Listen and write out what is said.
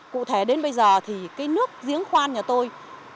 cụ thể đến bây giờ thì cái nước giếng khoan nhà tôi